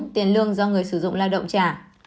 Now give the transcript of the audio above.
tiền lương do người sử dụng lao động trả